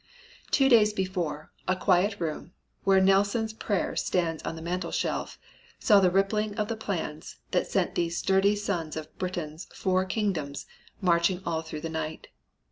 "Two days before, a quiet room, where Nelson's Prayer stands on the mantel shelf, saw the ripening of the plans that sent these sturdy sons of Britain's four kingdoms marching all through the night.